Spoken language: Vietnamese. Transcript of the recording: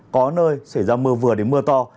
có nơi xảy ra mưa vừa đến mưa to